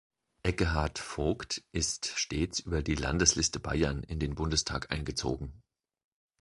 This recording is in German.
Ekkehard Voigt ist stets über die Landesliste Bayern in den Bundestag eingezogen.